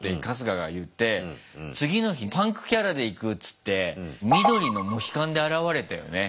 次の日パンクキャラでいくっつって緑のモヒカンで現れたよね。